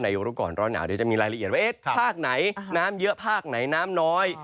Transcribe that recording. ในยุคลุกรรณ์ร่อนหนาวเดี๋ยวจะมีรายละเอียดว่าเอ๊ะภาคไหนน้ำเยอะภาคไหนน้ำน้อย